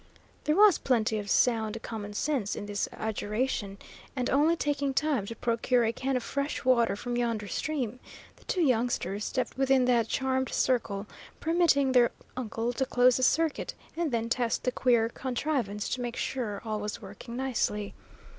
There was plenty of sound common sense in this adjuration, and, only taking time to procure a can of fresh water from yonder stream, the two youngsters stepped within that charmed circle, permitting their uncle to close the circuit, and then test the queer contrivance to make sure all was working nicely.